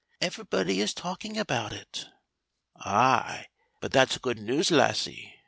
Everybody is talking about it." "Ay, but that's good news, lassie!"